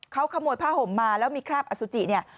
เขาขโมยผ้าห่มมาแล้วมีคราบอสุจิเนี่ย